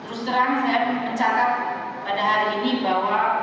terus terang saya mencatat pada hari ini bahwa